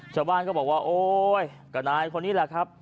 ชาวบ้านก็บอกว่าโอ๊ยก็นายคนนี้แหละครับ